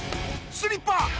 スリッパ！